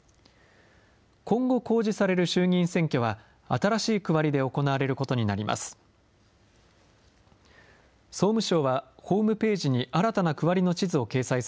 今後、公示される衆議院選挙は、新しい区割りで行われることになります。